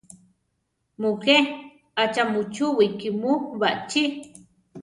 Mujé; achá muchúwi kímu baʼchí?